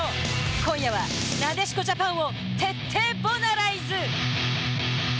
今夜は、なでしこジャパンを徹底ボナライズ！